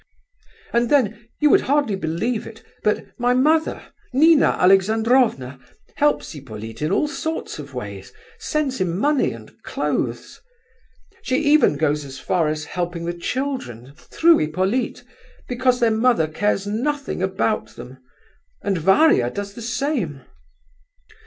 And then, you would hardly believe it, but my mother—Nina Alexandrovna—helps Hippolyte in all sorts of ways, sends him money and clothes. She even goes as far as helping the children, through Hippolyte, because their mother cares nothing about them, and Varia does the same."